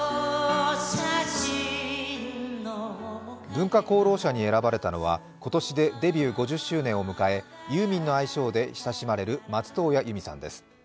文化功労者に選ばれたのは今年でデビュー５０周年を迎えユーミンの愛称で親しまれる松任谷由実さんです。